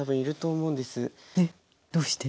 えっどうして？